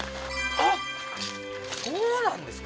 あっそうなんですか